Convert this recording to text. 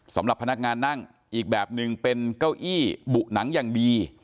สำหรับพนักงานนั่งอีกแบบหนึ่งเป็นเก้าอี้บุหนังอย่างดี